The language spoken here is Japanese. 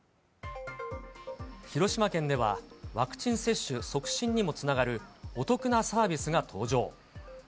広島県ではワクチン接種促進にもつながるお得なサービスが登場。